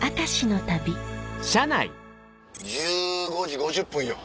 １５時５０分よ。